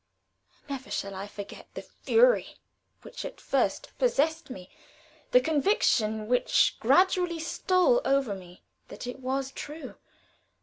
Never shall I forget the fury which at first possessed me, the conviction which gradually stole over me that it was true.